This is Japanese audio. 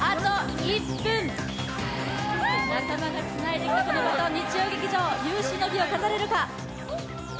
仲間がつないできたこのバトン、日曜劇場、有終の美を飾れるか。